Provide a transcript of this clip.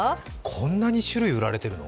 こんなに種類売られてるの？